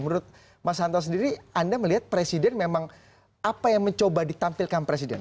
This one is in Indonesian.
menurut mas hanta sendiri anda melihat presiden memang apa yang mencoba ditampilkan presiden